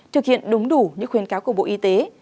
thực hiện đúng đủ những khuyên cáo của bộ y tế